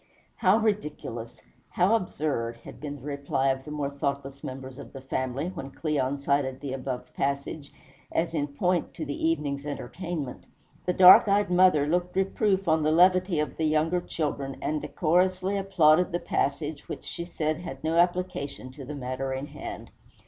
"How ridiculous! how absurd!" had been the reply of the more thoughtless members of the family, when Cleon cited the above passage as in point to the evening's entertainment. The dark eyed mother looked reproof on the levity of the younger children, and decorously applauded the passage, which she said had no application to the matter in hand.